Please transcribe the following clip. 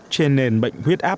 trên đền bệnh huyết áp